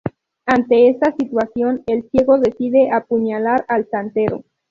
Ante esta situación el Ciego decide apuñalar al Santero.